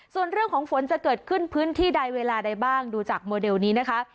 ส่วนเรื่องของฝนจะเกิดขึ้นพื้นที่ใดเวลาใดบ้างดูจากโมเดลนี้นะคะ